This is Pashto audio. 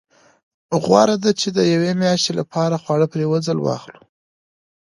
غوره ده چې د یوې میاشتې لپاره خواړه په یو ځل واخلو.